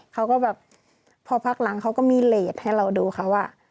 เขาก็แบบพอพักหลังเขาก็มีเลสให้เราดูค่ะว่า